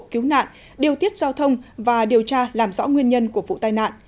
cứu nạn điều tiết giao thông và điều tra làm rõ nguyên nhân của vụ tai nạn